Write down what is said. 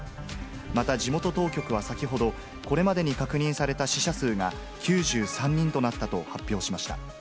また地元当局は先ほど、これまでに確認された死者数が９３人となったと発表しました。